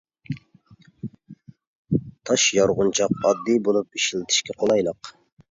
تاش يارغۇنچاق ئاددىي بولۇپ، ئىشلىتىشكە قولايلىق.